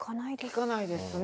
聞かないですね。